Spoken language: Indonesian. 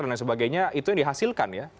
dan lain sebagainya itu yang dihasilkan ya